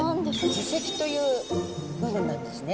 耳石という部分なんですね。